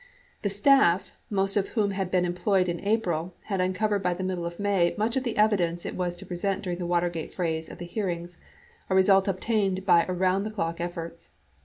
The staff, most of whom had been employed in April, had uncovered by the middle of May much of the evidence it was to present during the Watergate phase of the hearings, a result obtained by around the clock efforts.